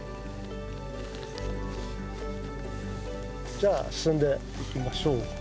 じゃあ進んでいきましょう。